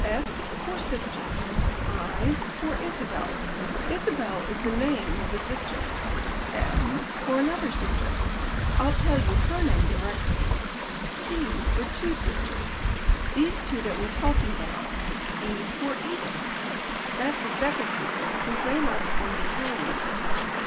"S for sister. I for Isabel Isabel is the name of the sister. S for another sister I'll tell you her name directly. T for two sisters, these two that we're talking about. E for Edith, that's the second sister whose name I was going to tell you.